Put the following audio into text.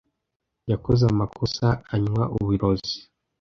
Yakoze amakosa anywa uburozi.